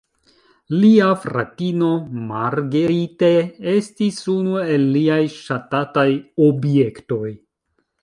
Lia fratino, Marguerite, estis unu el liaj ŝatataj objektoj.